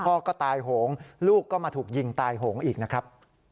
พ่อก็ตายโหงลูกก็มาถูกยิงตายโหงอีกนะครับ